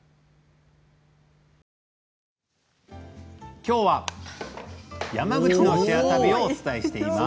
きょうは山口の「シェア旅」をお伝えしています。